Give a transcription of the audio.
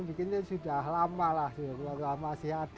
bikin ini sudah lama masih ada